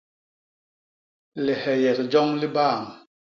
Liheyek joñ li baam.